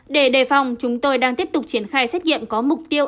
để đề phòng chúng tôi đang tiếp tục triển khai xét nghiệm có mục tiêu